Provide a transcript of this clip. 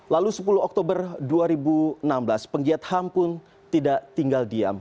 lalu sepuluh oktober dua ribu enam belas penggiat ham pun tidak tinggal diam